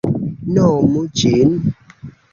Nomu ĝin.